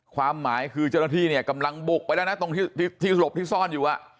ความหมายคือเจ้าหน้าที่เนี่ยกำลังบุกไปแล้วนะตรงที่สลบที่ซ่อนอยู่